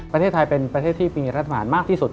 ประเทศไทยเป็นประเทศที่มีรัฐบาลมากที่สุด